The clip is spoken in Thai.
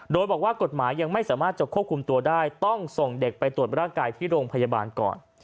โดยบอกว่ากฎหมายยังไม่สามารถจะควบคุมตัวได้ต้องส่งเด็กไปตรวจร่างกายที่โรงพยาบาลก่อน